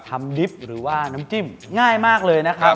ดิบหรือว่าน้ำจิ้มง่ายมากเลยนะครับ